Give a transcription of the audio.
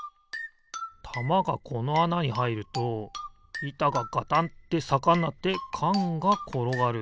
たまがこのあなにはいるといたがガタンってさかになってかんがころがる。